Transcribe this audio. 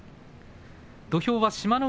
土俵は志摩ノ